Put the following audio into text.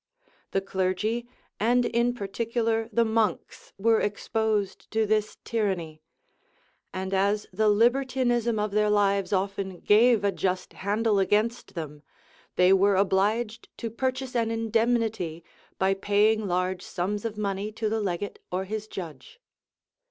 The clergy, and in particular the monks, were exposed to this tyranny; and as the libertinism of their lives often gave a just handle against them, they were obliged to purchase an indemnity by paying large sums of money to the legate or his judge.